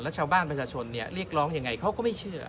แล้วชาวบ้านประชาชนเรียกร้องยังไงเขาก็ไม่เชื่อ